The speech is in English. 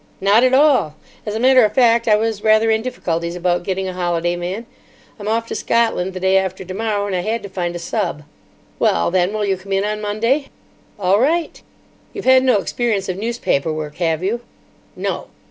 "Not at all. As a matter of fact, I was rather in difficulties about getting a holiday man. I'm off to Scotland the day after tomorrow, and I had to find a sub. Well, then, will you come in on Monday?" "All right." "You've had no experience of newspaper work, have you?" "No."